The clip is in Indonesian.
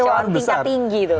kekecewaan tingkat tinggi itu